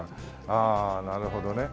ああなるほどね。